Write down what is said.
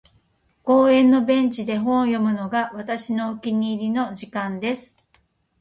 •公園のベンチで本を読むのが、私のお気に入りの時間です。